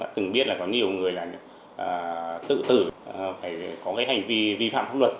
từng biết là có nhiều người là tự tử phải có cái hành vi vi phạm pháp luật